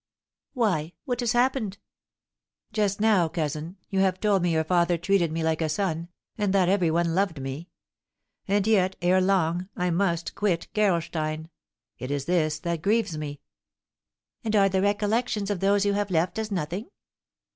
"Why, what has happened?" "Just now, cousin, you have told me your father treated me like a son, and that every one loved me; and yet, ere long, I must quit Gerolstein. It is this that grieves me." "And are the recollections of those you have left as nothing?"